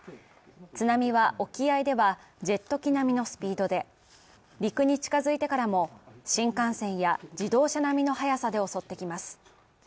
津波は沖合ではジェット機並みのスピードで陸に近づいてからも、新幹線や自動車並みの速さで襲ってきます